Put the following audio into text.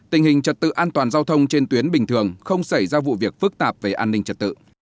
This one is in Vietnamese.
tình hình trật tự an toàn giao thông trên tuyến bình thường không xảy ra vụ việc phức tạp về an ninh trật tự